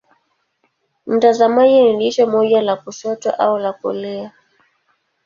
Mtazamaji ni jicho moja la kushoto au la kulia.